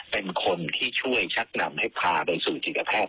เป็นคนที่ช่วยชักนำให้พาไปสู่จิตแพทย์